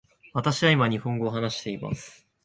私は今日本語を話しています。